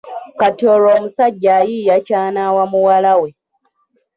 Kati olwo omusajja ayiiya ky’anaawa muwala we.